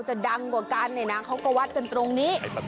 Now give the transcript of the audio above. จะดังกว่ากันเขาก็วัดถึงตรงนี้